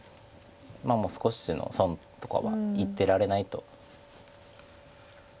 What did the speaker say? もう少しの損とかは言ってられないと。